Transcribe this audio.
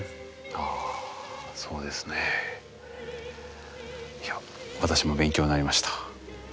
あそうですねえ。いや私も勉強になりました。